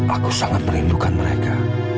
aku sangat merindukan mereka